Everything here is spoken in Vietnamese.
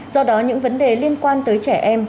do đó những vấn đề liên quan tới trẻ em